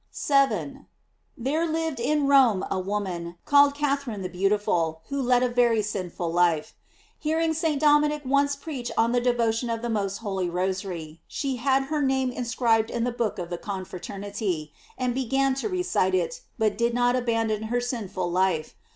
* 7. — There lived in Rome a woman, called Catherine the beautiful, who led a very sinful life. Hearing St. Dominic once preach on the devotion of the most holy Rosary, she had her name inscribed in the book of the confraternity, and began to recite it, but did not abandon her sin ful life.